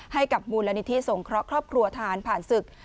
ให้กับมูลนิธิสงเคราะห์ครอบครัวทหารผ่านศึก